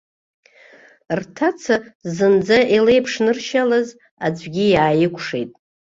Рҭаца зынӡа илеиԥшныршьалаз аӡәгьы иааикәшеит.